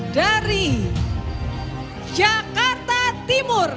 dari jakarta timur